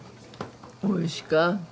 おいしか。